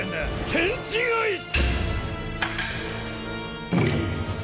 天地返し！！